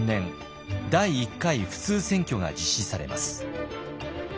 第一回普通選挙が実施されます。